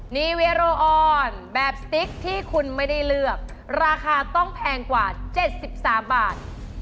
นีเวโรออนแบบสติ๊กที่คุณไม่ได้เลือกราคาต้องแพงกว่า๗๓บาท